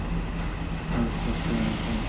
তারা ভারতে আসার পূর্বে অস্ট্রেলিয়াতে বসবাস করতেন।